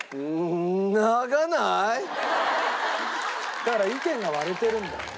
だから意見が割れてるんだよ。